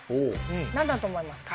何だと思いますか？